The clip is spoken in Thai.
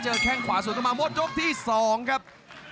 เจอแข้งขวาส่วนมาหมดโจทย์ที่สองครับ